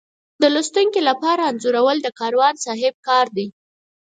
د لوستونکي لپاره انځورول د کاروان صاحب کار دی.